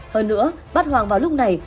hơn nữa bắt hoàng vào lúc này